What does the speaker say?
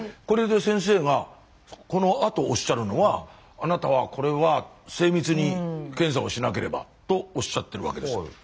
これで先生がこのあとおっしゃるのはあなたはこれは精密に検査をしなければとおっしゃってるわけです。